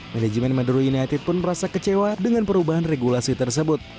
manajemen madura united pun merasa kecewa dengan perubahan regulasi tersebut